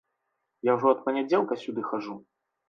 Я ўжо ад панядзелка сюды хаджу.